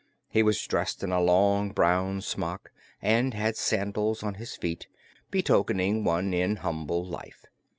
He was dressed in a long brown smock and had sandals on his feet, betokening one in humble life.